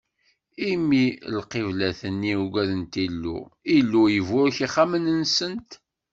Imi lqiblat-nni ugadent Illu, Illu iburek ixxamen-nsent.